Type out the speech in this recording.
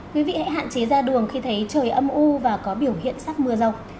quý vị hãy hạn chế ra đường khi thấy trời âm u và có biểu hiện sắp mưa rông